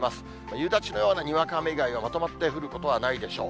夕立のようなにわか雨以外はまとまって降ることはないでしょう。